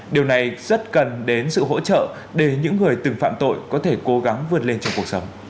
điều này rất cần đến sự hỗ trợ để những người từng phạm tội có thể cố gắng vượt lên trong cuộc sống